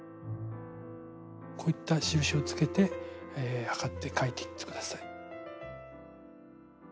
こういった印をつけて測って書いていって下さい。